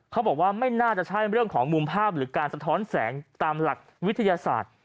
เขาบอกว่าไม่น่าจะใช่เรื่องของมุมภาพหรือการสะท้อนแสงตามหลักวิทยาศาสตร์